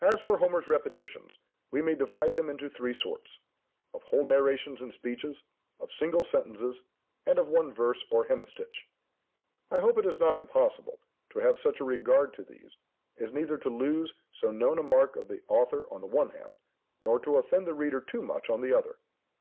As for Homer's repetitions, we may divide them into three sorts: of whole narrations and speeches, of single sentences, and of one verse or hemistitch. I hope it is not impossible to have such a regard to these, as neither to lose so known a mark of the author on the one hand, nor to offend the reader too much on the other.